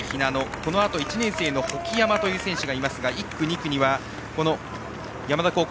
このあと１年生の穗岐山という選手がいますが１区、２区には山田高校